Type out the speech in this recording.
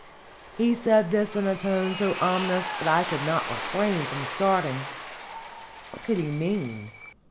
He said this in a tone so ominous that I could not refrain from starting. What could he mean?